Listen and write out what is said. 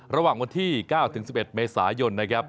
ระหว่างวันที่๙๑๑เมษายนนะครับ